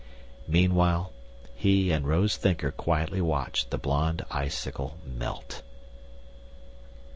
Meanwhile, he and Rose Thinker quietly watched the Blonde Icicle melt.